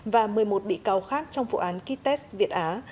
và một mươi một bị cáo khác trong vụ án kites việt á